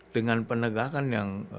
dengan penegakan yang